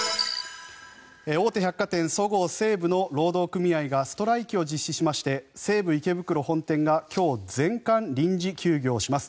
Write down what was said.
大手百貨店、そごう・西武の労働組合がストライキを実施しまして西武池袋本店が今日、全館臨時休業します。